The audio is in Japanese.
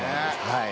はい。